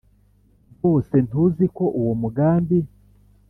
Rwose ntuzi ko uwo mugambi